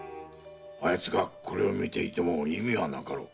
あやつがこれを見ていても意味はなかろう。